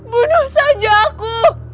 bunuh saja aku